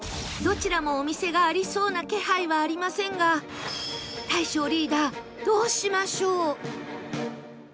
どちらもお店がありそうな気配はありませんが大昇リーダーどうしましょう？